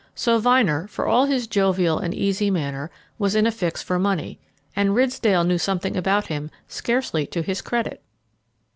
So Vyner, for all his jovial and easy manner, was in a fix for money, and Ridsdale knew something about him scarcely to his credit!